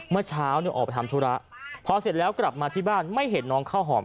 เมื่อเช้าออกไปทำธุระพอเสร็จแล้วกลับมาที่บ้านไม่เห็นน้องข้าวหอม